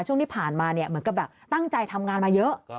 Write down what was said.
ช่วงที่ผ่านมาเนี่ยเหมือนกับแบบตั้งใจทำงานมาเยอะ